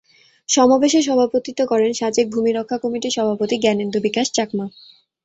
সমাবেশে সভাপতিত্ব করেন সাজেক ভূমি রক্ষা কমিটির সভাপতি জ্ঞানেন্দু বিকাশ চাকমা।